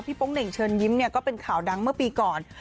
โป๊งเหน่งเชิญยิ้มเนี่ยก็เป็นข่าวดังเมื่อปีก่อน